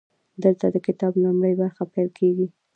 دلته د کتاب لومړۍ برخه پیل کیږي.